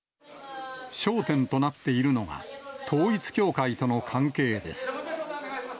焦点となっているのが、統一教会との関係です。